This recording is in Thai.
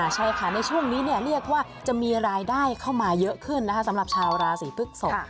ใช่ค่ะในช่วงนี้เรียกว่าจะมีรายได้เข้ามาเยอะขึ้นนะคะสำหรับชาวราศีพฤกษก